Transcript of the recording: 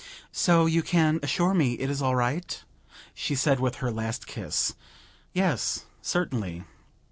"So you can assure me it is all right?" she said with her last kiss. "Yes, certainly."